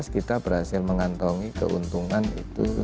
dua ribu tujuh belas kita berhasil mengantongi keuntungan itu